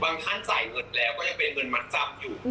ท่านจ่ายเงินแล้วก็ยังเป็นเงินมัดจำอยู่